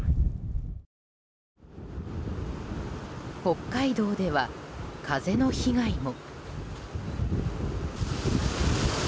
北海道では風の被害も。